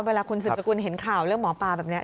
เวลาคุณสืบสกุลเห็นข่าวเรื่องหมอปลาแบบนี้